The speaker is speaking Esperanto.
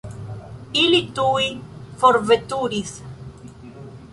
Ili tuj forveturis.